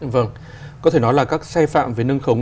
vâng có thể nói là các sai phạm về nâng khống